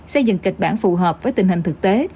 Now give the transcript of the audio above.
xây dựng kịch bản phù hợp với tình hình thực tế